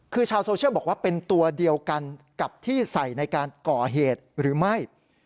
คือชาวโซเชียลบอกว่าเป็นตัวเดียวกันกับที่ใส่ในการก่อเหตุหรือไม่